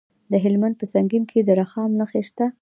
د هلمند په سنګین کې د رخام نښې شته.